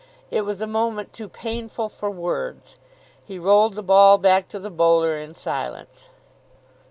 It was a moment too painful for words. He rolled the ball back to the bowler in silence.